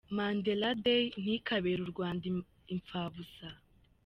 Mandela Day ntikabere u Rwanda imfabusa